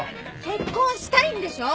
結婚したいんでしょ。